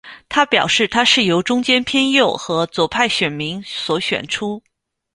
他表示他是由中间偏右和左派选民所选出。